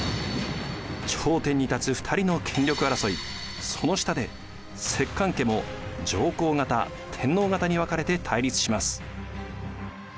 頂点に立つ２人の権力争いその下で摂関家も上皇方天皇方に分かれて対立します。